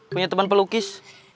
punya teman pelukis